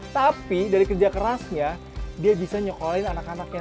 tapi dari kerja kerasnya dia bisa nyokolin anak anaknya